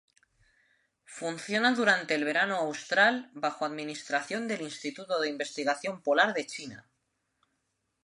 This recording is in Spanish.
Funciona durante el verano austral bajo administración del Instituto de Investigación Polar de China.